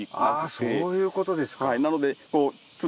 あそういうことですか。